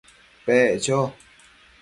Pec cho